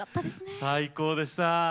最高でした。